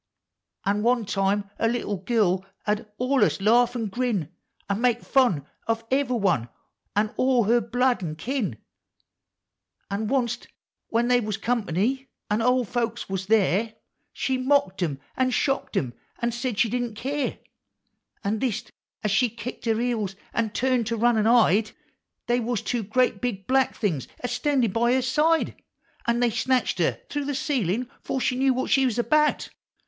An' due time a little girl 'ud alius laugh an' grin. An' make fun of ever' one, an' all her blood an' kin ; An' onc't when they was *• company," an' ole folks was there. Digitized by Google FOR CHILDREN. 161 She mocked 'em an' shocked 'cm, an' said she didn't care ! An' thist as she kicked her heels, an' turn't to run an' hide, They was two great big Black Things a standin' bv her side, An' they snatched her through the eeilin' 'fore she knowed what she 's about!